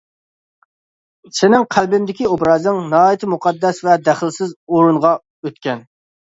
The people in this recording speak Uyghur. سېنىڭ قەلبىمدىكى ئوبرازىڭ ناھايىتى مۇقەددەس ۋە دەخلىسىز ئورۇنغا ئۆتكەن.